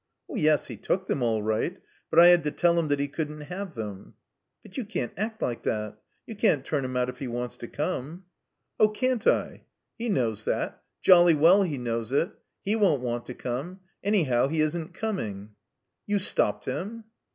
"Yes, he took them all right. But I had to tell tiim that he couldn't have them." "But you can't act like that. You can't turn him out if he wants to come." "Oh, can't I? He knows that. Jolly well he knows it. He won't want to come. Anyhow, he isn't coming." "You stopped him?"